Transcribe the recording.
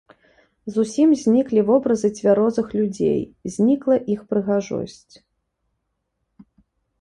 Зусім зніклі вобразы цвярозых людзей, знікла іх прыгажосць.